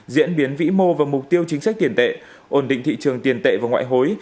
diễn biến vĩ mô và mục tiêu chính sách tiền tệ ổn định thị trường tiền tệ và ngoại hối